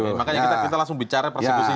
makanya kita langsung bicara persekusi